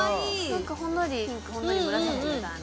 何かほんのりピンクほんのり紫みたいな